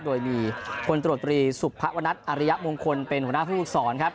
โดยมีคนตรวจตรีสุภวนัทอริยมงคลเป็นหัวหน้าผู้ฝึกศรครับ